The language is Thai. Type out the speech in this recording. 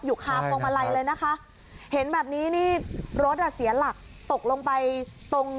คาพวงมาลัยเลยนะคะเห็นแบบนี้นี่รถอ่ะเสียหลักตกลงไปตรง